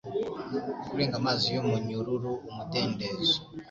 Kurenga amazi yumunyururu Umudendezo -